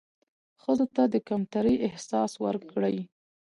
ښځو ته د کمترۍ احساس ورکړى